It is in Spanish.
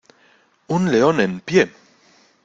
¡ un león en pie!...